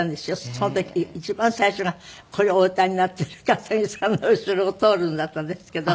その時一番最初がこれをお歌いになっている笠置さんの後ろを通るのだったんですけど。